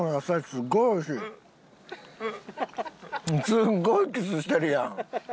すごいキスしてるやん！